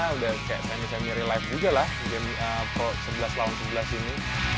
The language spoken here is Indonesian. jadi benar benar ya udah kayak semi semi real life juga lah game pro sebelas lawan sebelas ini